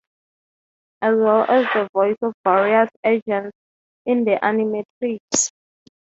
As well as the voice of various Agents in the Animatrix.